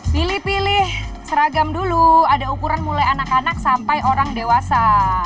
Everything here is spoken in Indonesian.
pilih pilih seragam dulu ada ukuran mulai anak anak sampai orang dewasa